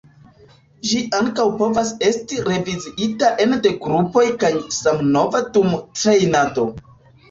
Ĝi ankaŭ povas esti reviziita ene de grupoj kaj sammove dum trejnado.